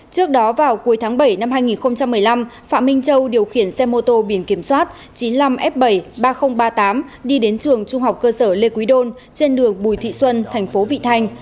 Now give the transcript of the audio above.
trước đó vào cuối tháng bảy năm hai nghìn một mươi năm phạm minh châu điều khiển xe mô tô biển kiểm soát chín mươi năm f bảy mươi ba nghìn ba mươi tám đi đến trường trung học cơ sở lê quý đôn trên đường bùi thị xuân thành phố vị thanh